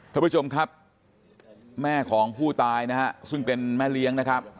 ท่านผู้ชมครับแม่ของผู้ตายนะฮะซึ่งเป็นแม่เลี้ยงนะครับ